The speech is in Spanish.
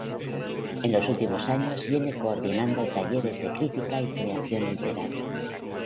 En los últimos años viene coordinando talleres de crítica y creación literaria.